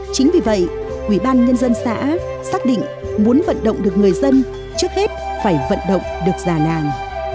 chính vì vậy quỹ ban nhân dân xã xác định muốn vận động được người dân trước hết phải vận động được già làng